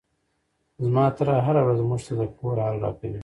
زما تره هره ورځ موږ ته د کور حال راکوي.